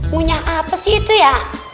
punya apa sih itu ya